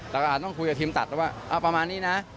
ต้องคุยกับทีมตัดแล้วว่าประมาณนี้นะ